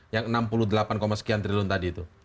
yang enam puluh delapan sekian triliun tadi itu